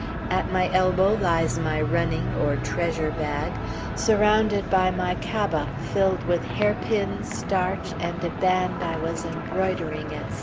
At my elbow lies my running or treasure bag, surrounded by my cabas filled with hair pins, starch, and a band I was embroidering, etc.